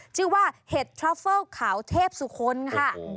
ชื่อว่าเห็ดทรอเฟิลขาวเทพสุคลค่ะ